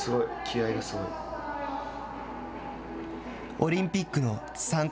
オリンピックの参加